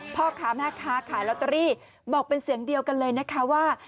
พ่อค้าแม่ค้าขายลอตเตอรี่บอกเป็นเสียงเดียวกันเลยนะคะว่า